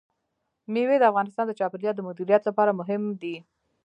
مېوې د افغانستان د چاپیریال د مدیریت لپاره مهم دي.